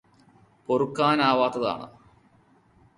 പൊറുക്കാനാവത്തതാണ്